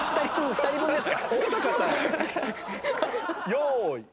用意。